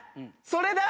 それだ！